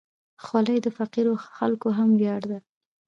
خولۍ د فقیرو خلکو هم ویاړ ده.